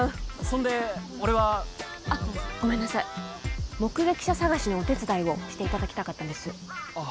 そんで俺はどうするあっごめんなさい目撃者捜しのお手伝いをしていただきたかったんですああ